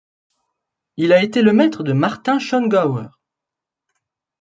Il a été le maître de Martin Schongauer.